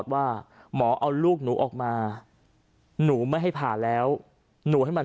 ว่าหมอเอาลูกหนูออกมาหนูไม่ให้ผ่าแล้วหนูให้มัน